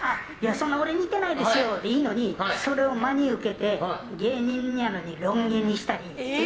そんな、俺似てないですよでいいのにそれを真に受けて、芸人なのにロン毛にしたり。